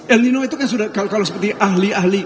el nino itu kan sudah kalau seperti ahli ahli